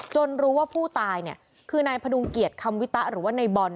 รู้ว่าผู้ตายเนี่ยคือนายพดุงเกียรติคำวิตะหรือว่าในบอล